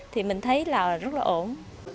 thì mình thấy là rất là ổn